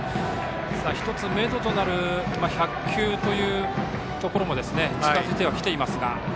１つめどとなる１００球というところも近づいてはきていますが。